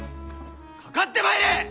かかってまいれ！